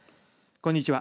こんにちは。